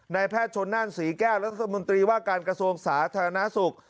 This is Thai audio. แพทย์ชนนั่นศรีแก้วรัฐมนตรีว่าการกระทรวงสาธารณสุข